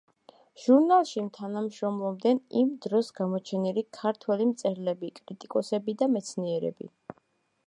ჟურნალში თანამშრომლობდნენ იმ დროის გამოჩენილი ქართველი მწერლები, კრიტიკოსები და მეცნიერები.